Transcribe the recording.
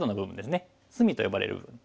「隅」と呼ばれる部分。